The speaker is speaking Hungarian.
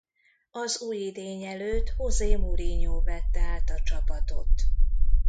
Az új idény előtt José Mourinho vette át a csapatot.